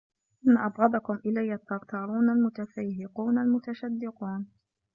إنَّ أَبْغَضَكُمْ إلَيَّ الثَّرْثَارُونَ الْمُتَفَيْهِقُونَ الْمُتَشَدِّقُونَ